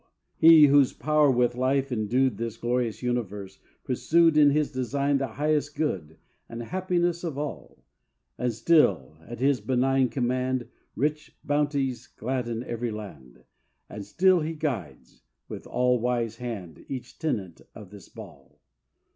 He, whose power with life endued This glorious universe, pursued In His design the highest good And happiness of all; And still, at His benign command, Rich bounties gladden ev'ry land, And still He guides, with all wise hand Each tenant of this ball.